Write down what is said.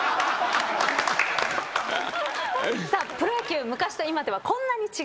プロ野球昔と今ではこんなに違う。